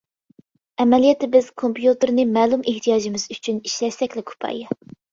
ئەمەلىيەتتە بىز كومپيۇتېرنى مەلۇم ئېھتىياجىمىز ئۈچۈن ئىشلەتسەكلا كۇپايە.